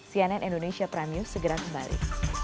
cnn indonesia prime news segera kembali